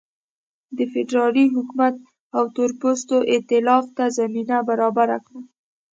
د فدرالي حکومت او تورپوستو اېتلاف دې ته زمینه برابره کړه.